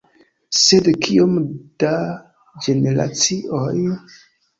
Sed kiom da generacioj?